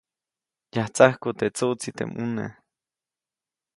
Yajtsajku teʼ tsuʼtsi teʼ mʼuneʼ.